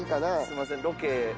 すいませんロケ。